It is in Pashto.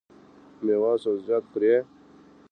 میوه او سبزیجات خورئ؟